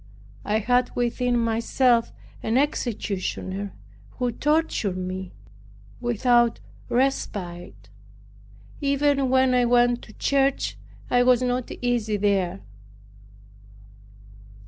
I had within myself an executioner who tortured me without respite. Even when I went to church, I was not easy there.